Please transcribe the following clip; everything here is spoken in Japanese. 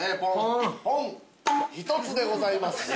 ◆ポン１つでございます。